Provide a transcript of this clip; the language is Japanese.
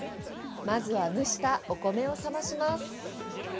まずは蒸したお米を冷まします。